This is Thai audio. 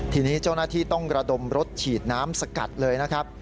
ทีนี้เจ้าหน้าที่ต้องระดมรถฉีดน้ำสกัดเลยนะครับ